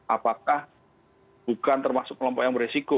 apakah bukan termasuk kelompok yang beresiko